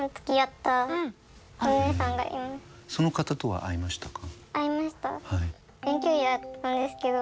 その方とは会いましたか？